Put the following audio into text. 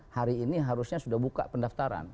hari ini harusnya sudah buka pendaftaran